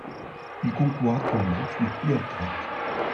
Il concourt actuellement sous les couleurs grecques.